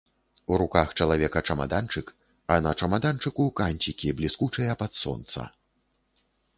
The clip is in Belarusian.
У руках чалавека чамаданчык, а на чамаданчыку канцікі бліскучыя пад сонца.